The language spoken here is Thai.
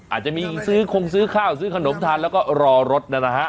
อาจจะมีซื้อคงซื้อข้าวซื้อขนมทานแล้วก็รอรถนะฮะ